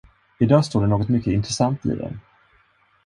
I dag står det något mycket intressant i den.